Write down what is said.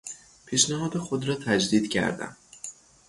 پیشنهاد خود را تجدید کردم.